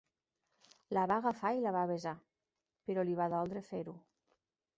La va agafar i la va besar; però li va doldre fer-ho.